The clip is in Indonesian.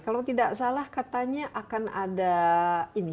kalau tidak salah katanya akan ada ini